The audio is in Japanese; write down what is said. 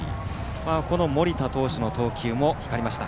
盛田投手の投球も光りました。